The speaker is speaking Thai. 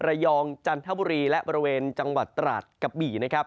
ไรยองค์จันทะบุรีและบริเวณจังหวัดตราตรกะบี่